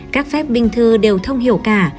các phép binh thư đều thông hiểu cả